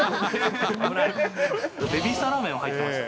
ベビースターラーメンは入ってました。